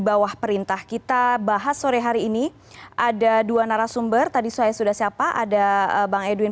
bawah perintah kita bahas sore hari ini ada dua narasumber tadi saya sudah siapa ada bang edwin